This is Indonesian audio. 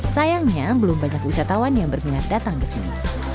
sayangnya belum banyak wisatawan yang berminat datang ke sini